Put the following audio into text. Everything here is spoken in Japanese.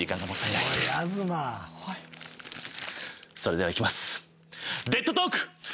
それではいきます。